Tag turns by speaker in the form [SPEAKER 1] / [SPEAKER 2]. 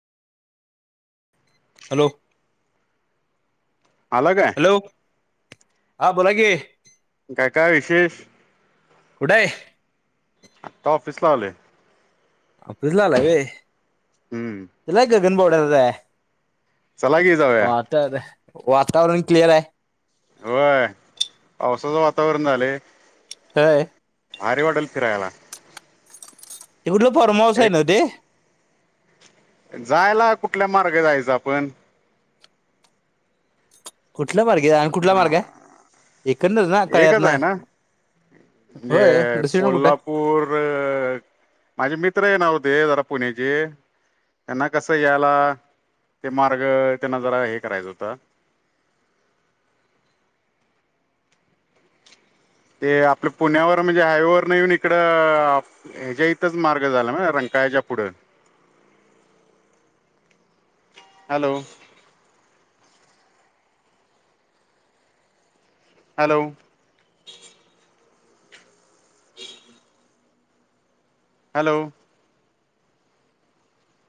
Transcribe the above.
[SPEAKER 1] Hello
[SPEAKER 2] आला काय?
[SPEAKER 1] Hello हा बोला कि.
[SPEAKER 2] काय काय विशेष?
[SPEAKER 1] कुठं आहे
[SPEAKER 2] आता ऑफिसला आलोय.
[SPEAKER 1] ऑफिसला आलाय होय.
[SPEAKER 2] हम्म.
[SPEAKER 1] गन बावड्यातच आहे
[SPEAKER 2] चला की जाऊया
[SPEAKER 1] वातावरण क्लिअर आहे.
[SPEAKER 2] होय पावसाचं वातावरण झाले.
[SPEAKER 1] होय.
[SPEAKER 2] आरे वाडल फिरायला.
[SPEAKER 1] ते कुठलं फॉर्मऊस आहे
[SPEAKER 2] एक
[SPEAKER 1] ना ते.
[SPEAKER 2] जायला कुठल्या मार्गे जायचं आपण?
[SPEAKER 1] कुठला मार्ग आहे आणि कुठला मार्ग आहे एकंदच ना
[SPEAKER 2] एकच
[SPEAKER 1] कळ्यातन
[SPEAKER 2] आहे ना म्हणजे कोल्हापूर माझे मित्र येणार ते जरा पुण्याचे त्यांना कसं यायला ते मार्ग त्यांना जरा हे करायचं होता. [inaudible] ते आपलं पुण्यावर म्हणजे हायवेवर नाही येऊन इकड ह्याच्या इथंच मार्ग झाला रं कायच्या पुढं. Hello hello hello